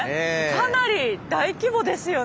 かなり大規模ですよね。